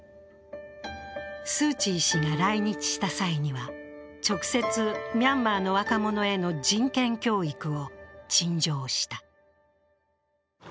スー・チー氏が来日した際には直接ミャンマーの若者への人権教育を陳情した。